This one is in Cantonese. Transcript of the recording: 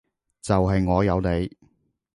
就係我有你